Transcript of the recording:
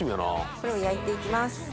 これを焼いていきます。